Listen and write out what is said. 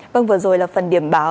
vâng vừa rồi là phần điểm báo